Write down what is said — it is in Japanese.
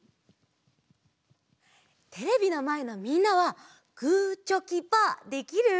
テレビのまえのみんなはグーチョキパーできる？